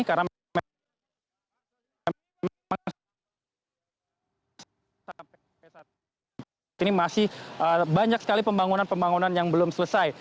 karena memang ini masih banyak sekali pembangunan pembangunan yang belum selesai